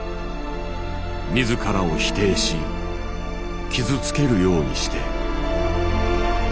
自らを否定し傷つけるようにして。